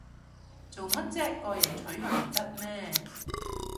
做咩唧個人取向唔得咩